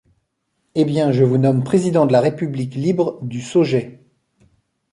Eh bien, je vous nomme président de la République libre du Saugeais.